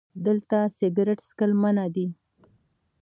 🚭 دلته سګرټ څکل منع دي